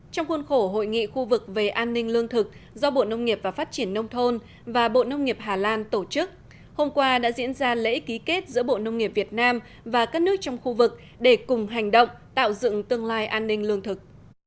trong khuôn khổ hội nghị khu vực về an ninh lương thực do bộ nông nghiệp và phát triển nông thôn và bộ nông nghiệp hà lan tổ chức hôm qua đã diễn ra lễ ký kết giữa bộ nông nghiệp việt nam và các nước trong khu vực để cùng hành động tạo dựng tương lai an ninh lương thực